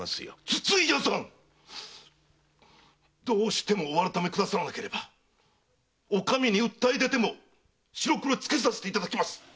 どうしてもお改めくださらなければお上に訴え出ても白黒つけさせていただきます！